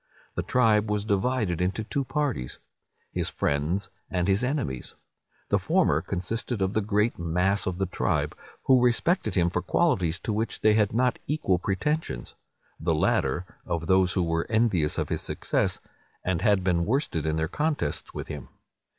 The tribe was divided into two parties, his friends and his enemies. The former consisted of the great mass of the tribe, who respected him for qualities to which they had not equal pretensions; the latter, of those who were envious of his success, and had been worsted in their contests with him.